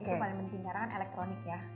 itu paling penting sekarang elektronik ya